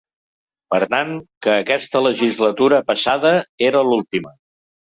Per tant, que aquesta legislatura passada era l’última.